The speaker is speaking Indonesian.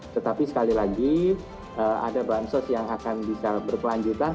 tetapi sekali lagi ada bansos yang akan bisa berkelanjutan